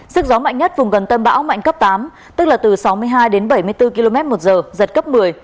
sức gió mạnh nhất vùng gần tâm bão mạnh cấp tám tức là từ sáu mươi hai đến bảy mươi bốn km một giờ giật cấp một mươi